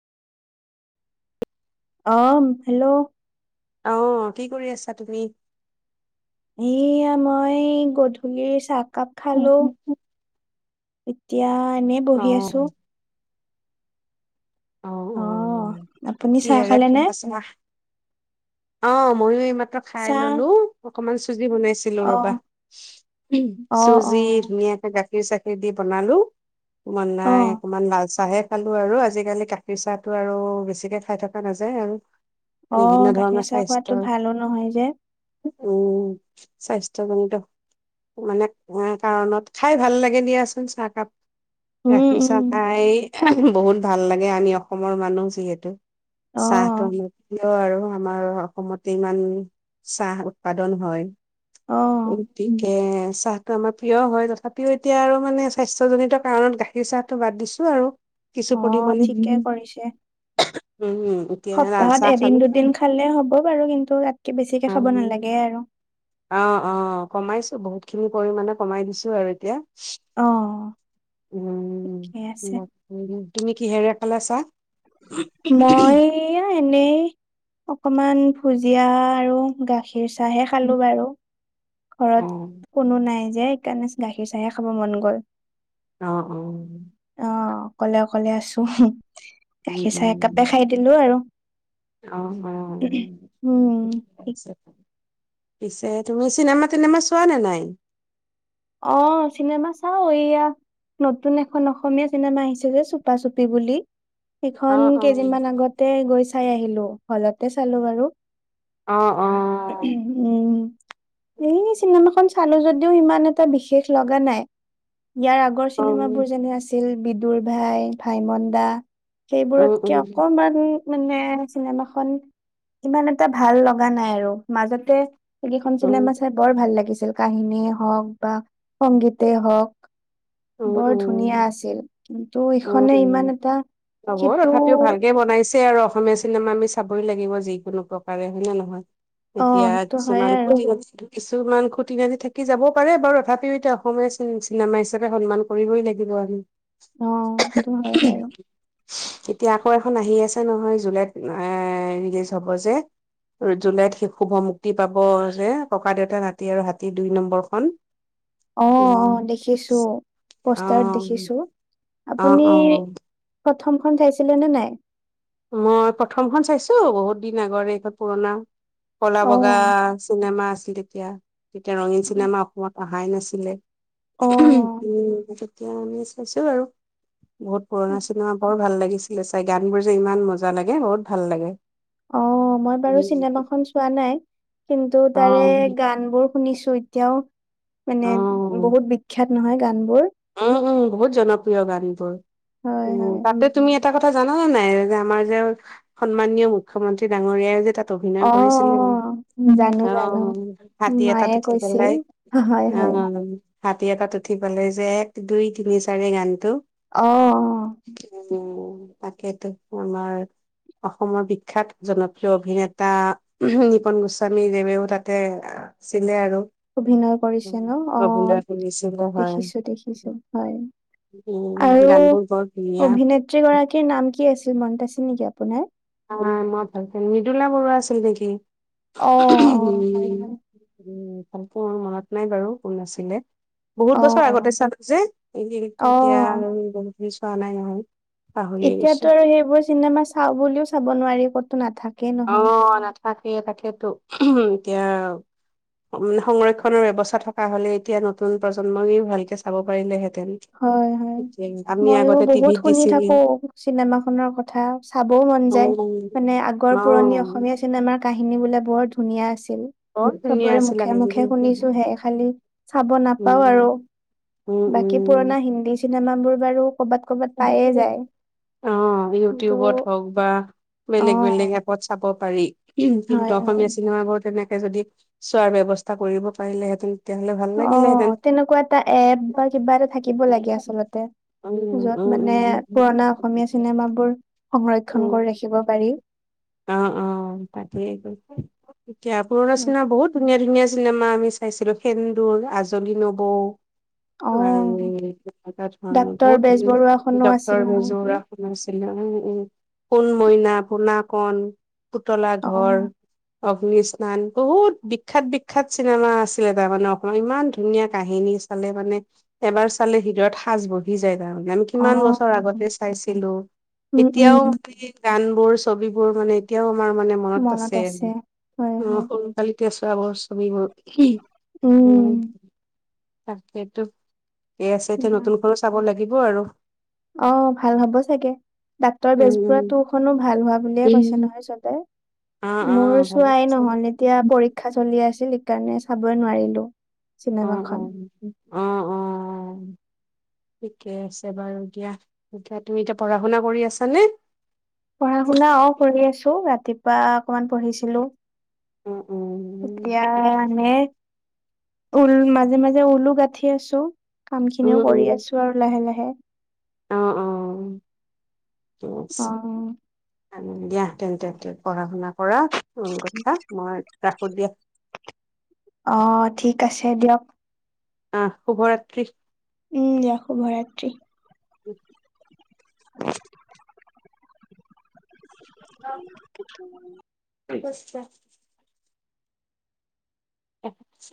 অম', hello. অঁ কি কৰি আছা তুমি? এইয়া মই গধূলিৰ চাহকাপ খালো। অ', এতিয়া এনেই বহি আছো। অ'। অ', আপুনি চাহ কিহেৰে খালে নে? খালা? অ', মইও এইমাত্ৰ খাই চাহ ল'লো অকনমান চুজি বনাইছো। আছিলোঁ ৰবা, অ' অ' চুজি অ' ধুনীয়াকে গাখীৰ চাখীৰ দি বনালোঁ। মন নাই অ' অকমান লাল চাহ। চাহে খালো আৰু, আজিকালি গাখীৰ চাহটো আৰু বেছিকে খাই থকা নাযায় আৰু। বিভিন্ন অ', ধৰণৰ গাখীৰ চাহ খোৱটো স্বাস্থ্যৰ ভালো নহয় যে। উম, স্বাস্থ্যজনিত। মানে কাৰণত খাই ভাল লাগে দিয়াচোন চাহ কাপ। উম গাখীৰ উম চাহ খাই বহুত ভাল লাগে, আমি অসমৰ মানুহ যিহেতু। চাহটো অ' আমাৰ প্ৰিয় আৰু আমাৰ অসমতে ইমান চাহ উৎপাদন হয়। অ' গতিকে চাহটো আমাৰ প্ৰিয় হয়, তথাপিও এতিয়া আৰু মানে স্বাস্থ্যজনিত কাৰণত গাখীৰ গাখীৰ চাহটো বাদ দিছো আৰু। কিছু অ', পৰিমাণে ঠিকে কৰিছে। উম এতিয়া লাল চাহ সপ্তাহত এদিন খালো দুদিন খালে হ'ব। হ'ব বাৰু কিন্তু তাতকে বেছিকে খাব নালাগে আৰু। অ', অ', কমাইছো বহুত খিনি পৰিমাণে কমাই দিছো আৰু এতিয়া। অ' ঠিকে আছে। উম, তুমি কিহেৰে খালা চাহ। মই এইয়া এনেই অকমান ভুজিয়া আৰু গাখীৰ গাখীৰ চাহহে খালো বাৰু ঘৰত। অ কোনো নাই যে সেইকাৰণে গাখীৰ চাহে খাব মন গ'ল। অ', অ'। অ', অকলে অকলে আছোঁ উম গাখীৰ চাহ একাপে উম খাই দিলো আৰু।। অ', উম অ'। পিছে তুমি চিনেমা তিনেমা চোৱা নে নাই? অ', চিনেমা চাও এইয়া। নতুন এখন অসমীয়া চিনেমা আহিছে যে, চুপা চুপি বুলি। অ', সেইখন অ', কেইদিনমান আগতে গৈ চাই আহিলো হলতে চালো বাৰু। অ', অ'। উম, এই চিনেমাখন চালো যদিও ইমান এটা এটা বিশেষ লগা নাই ইয়াৰ আগৰ চিনেমাবোৰ উম, যেনে আছিল। আছিল বিদুৰ ভাই ভাইমন দা সেইবোৰতকে অকমান। মানে চিনেমাখন ইমান এটা ভাল লগা নাই আৰু মাজতে সেই কেইখন চিনেমা উম, উম, চাই বৰ ভাল লাগিছিল কাহিনীয়ে হওক বা সংগীতে হওক। বৰ ধুনীয়া আছিল কিন্তু ইখনে ইমান এটা হ'ব সেইটো তথাপিও ভালকে বনাইছে। তেও আৰু অসমীয়া চিনেমা আমি চাবই লাগিব যিকোনো প্ৰকাৰে হয় নে নহয়। অ এতিয়া সেইটো হয় কিছুমান আৰু কিছুমান খুটি নাটি থাকি যাব পাৰে বাৰু তথাপিও এতিয়া অসমীয়া চিনেমা হিচাপে সন্মান কৰিবই লাগিব আমি। অ সেইটো হয় বাৰু এতিয়া আকৌ এখন আহি আছে নহয় জুলাইত এ ৰিলিজ হ'ব যে জুলাইত শি শুভ মুক্তি পাব যে ককা দেউতাৰ নাতী আৰু হাতী দুই নম্বৰখন। অ অ উম, দেখিছো অ। পোষ্টাৰত দেখিছো অ আপুনি অ প্ৰথমখন চাইছিলে নে নাই? মই প্ৰথমখন চাইছোঁ, বহুত দিন আগৰে এইখন পুৰণা। কলা বগা চিনেমা আছিল তেতিয়া। তেতিয়া ৰঙীন অ চিনেমা অসমত আহাই নাছিলে, অ', তেতিয়া আমি চাইছো বাৰু। পুৰণা চিনেমা বৰ ভাল লাগিছিলে চায়। গানবোৰ যে ইমান মজা লাগে বহুত ভাল লাগে। অ' মই বাৰু চিনেমাখন চোৱা নাই কিন্তু অ তাৰে অ গানবোৰ শুনিছো এতিয়াও মানে উম বহুত বিখ্যাত নহয় গানবোৰ। উম বহুত জনপ্ৰিয় হয়, হয়। গানবোৰ তুমি এটা কথা জানানে নাই যে আমাৰ যে সন্মানীয় মুখ্যমন্ত্ৰী ডাঙৰীয়াই যে তাত অ', অভিনয় অ', জানো কৰিছিলে জানো। অ' হাতী মায়ে এটাত উঠি কৈছিল পেলাই। হয়, হয়। অ' হাতী এটাত উঠি পেলাই যে এক দুই তিনি চাৰি গানটো অ', অ', উম তাকেতো আমাৰ আমাৰ বিখ্যাত জনপ্ৰিয় অভিনেতা নিপন গোস্বামী দেৱেও তাতে আছিলে আৰু। অভিনয় কৰিছে ন' অভিনয় কৰিছিলে অ' হয়। দেখিছো দেখিছো। হয় উম, আৰু গানবোৰ বৰ অভিনেত ধুনীয়া অভিনেত্ৰীগৰাকীৰ নাম কি আছিল? মনত আছে নেকি আপোনাৰ? আহ মই ভালকে মৃদুলা বৰুৱা আছিল নেকি অ', অ', হয়, উম হয়। উম ভালকে মোৰ মনত নাই বাৰু কোন আছিলে। বহুত বছৰ আগতে চালো যে অ', তেতিয়া অ', আৰু বহুতখিনি চোৱা নাই নহয়। পাহৰিয়ে গৈছো। এতিয়াতো আৰু সেইবোৰ চিনেমা চাওঁ বুলিও চাব নোৱাৰি ক'তো নাথাকে অ' নাথাকে তাকেইতো এতিয়া সংৰক্ষনৰ ব্যৱস্থা থকা হ'লে এতিয়া নতুন প্ৰজন্মই ভালকে চাব পাৰিলেহেঁতেন। হয়, হয়। আমি ময়ো আগতে বহুত টিভিত শুনি দিছিলো থাকো চিনেমাখনৰ কথা চাবও মন যায়। মানে অ', আগৰ পুৰণি অ', অসমীয়া চিনেমাৰ কাহিনী বোলে বৰ ধুনীয়া আছিল। বৰ ধুনীয়া চবৰে আছিলে মুখে মুখে শুনিছোঁহে খালি চাব উম, নাপাওঁ আৰু। উম, বাকী উম, পুৰণা হিন্দী চিনেমাবোৰ বাৰু ক'বাত ক'বাত অ' কিন্তু ইউটিউবত হওঁক বা অ বেলেগ বেলেগ এপ লগত চাব পাৰি কিন্তু হয় হয় অসমীয়া চিনেমাবোৰ তেনেকে যদি চোৱাৰ ব্যৱস্থা কৰিব পাৰিলেহেঁতেন। তেতিয়াহ'লে ভাল লাগিলেহেঁতেন। অ' তেনেকুৱা এটা এপ বা কিবা এটা থাকিব লাগে আচলতে উম, য'ত উম, মানে পুৰণা উম। অসমীয়া চিনেমাবোৰ সংৰক্ষণ কৰি উম, ৰাখিব পাৰি। অ' তাকেই আক' এতিয়া পুৰণা উম, চিনেমা বহুত ধুনীয়া ধুনীয়া চিনেমা আমি চাইছিলোঁ। সেন্দুৰ, আজলি নবৌ। অ', ডাক্তৰ বেজবৰুৱাখনো আছিল নহয় এখন। [unintelligible] [unintelligible] উম উম সোণমইনা, পুনাকন পুতলা ঘৰ। অ', অগ্নি স্নান, বহুত বিখ্যাত বিখ্যাত চিনেমা আছিলে তাৰমানে অসমত ইমান ধুনীয়া কাহিনী। মানে এবাৰ চালে হৃদয়ত সাঁচ বহ বহি যায় তাৰমানে। আমি কিমান বছৰ অ', আগতে চাইছিলোঁ, উম, এতিয়াও উম, সেই গানবোৰ ছবিবোৰ মানে এতিয়াও আমাৰ মানে মনত আছে হয়, হয়, উম, [unintelligible] পিছে এতিয়া বাহ। নতুনখনো চাব লাগিব আৰু। অ' ভাল হব চাগে, ডাক্তৰ উম উম বেজবৰুৱা টু খনো ভাল হোৱা বুলিয়ে কৈছে উম। নহয় চবে। অ', মোৰ অ', ভালে চোৱাই আছে ন'হলে। এতিয়া পৰীক্ষা চলি আছিল সেইকাৰণে চাবই নোৱাৰিলো। অ', অ', অ', অ'। ঠিকে আছে বাৰু দিয়া। এতিয়া তুমি এতিয়া পঢ়া শুনা কৰি আছানে? পঢ়া শুনা অ' কৰি আছো। ৰাতিপুৱা অকনমান পঢ়িছিলো। উম উম এতিয়া এনে ঊল মাজে মাজে ঊলো গাঁঠি আছো। কাম উম খিনিও কৰি উম আছো আৰু লাহে লাহে। অ', অ' [unintelligible] অ'। ভালেই দিয়া তেন্তে পঢ়া শুনা কৰা, উল গুঁঠা মই ৰাখোঁ দিয়া। অ', ঠিক আছে দিয়ক। অহ শুভৰাত্ৰি। উম, দিয়া শুভৰাত্ৰি। [inaudible] [unintelligible] [inaudible] [unintelligible] [inaudible]